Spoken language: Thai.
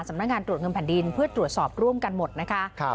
สำนักงานตรวจเงินแผ่นดินเพื่อตรวจสอบร่วมกันหมดนะคะ